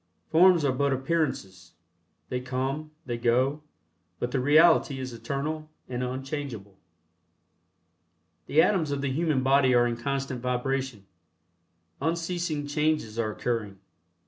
Forms are but appearances they come, they go, but the Reality is eternal and unchangeable. The atoms of the human body are in constant vibration. Unceasing changes are occurring.